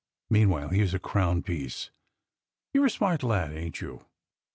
Meanwhile, here's a crown piece. You're a smart lad, ain't yoxi?